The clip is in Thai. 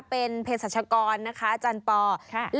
เป็นเพศรัชกรนะคะอาจารย์ปอ